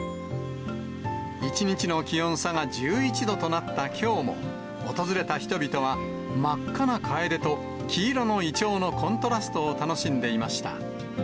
一日の気温差が１１度となったきょうも、訪れた人々は、真っ赤なカエデと黄色のイチョウのコントラストを楽しんでいました。